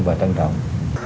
và trân trọng